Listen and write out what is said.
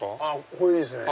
これいいですね。